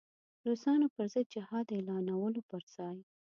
د روسانو پر ضد جهاد اعلانولو پر ځای.